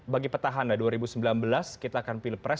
bagi petahana dua ribu sembilan belas kita akan pilpres